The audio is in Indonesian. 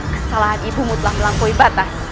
kesalahan ibumu telah melampaui batas